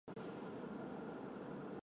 卡氏蟹蛛为蟹蛛科蟹蛛属的动物。